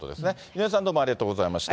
井上さん、どうもありがとうございました。